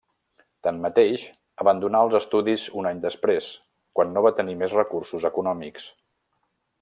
Tanmateix, abandonà els estudis un any després, quan no va tenir més recursos econòmics.